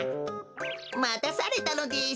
またされたのです。